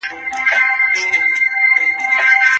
طبیعت د شاعر په ذهن کې ژوندی پاتې کېږي.